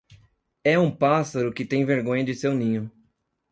É um pássaro que tem vergonha de seu ninho.